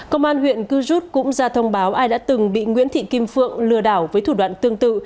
công an huyện cư rút cũng ra thông báo ai đã từng bị nguyễn thị kim phượng lừa đảo với thủ đoạn tương tự